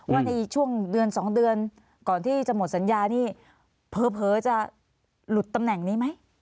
ว่าในช่วงเดือน๒เดือนก่อนที่จะหมดสัญญานี่เผลอจะหลุดตำแหน่งนี้ไหม